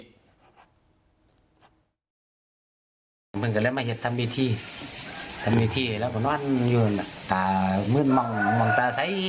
เธอขอได้บางอย่างเธอมาเกี่ยวที่จะทำสำคัญของเธอ